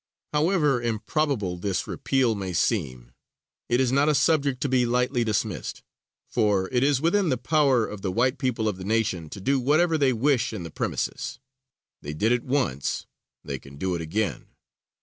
However improbable this repeal may seem, it is not a subject to be lightly dismissed; for it is within the power of the white people of the nation to do whatever they wish in the premises they did it once; they can do it again.